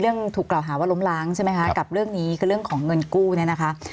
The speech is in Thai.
ถูกกล่าวหาว่าล้มล้างใช่ไหมคะกับเรื่องนี้คือเรื่องของเงินกู้เนี่ยนะคะ